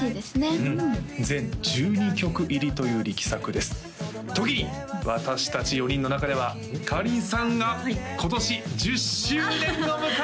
うん全１２曲入りという力作です時に私達４人の中ではかりんさんが今年１０周年を迎えます